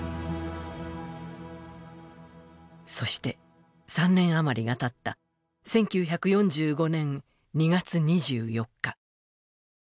そして、３年余りがたった１９４５年２月２４日。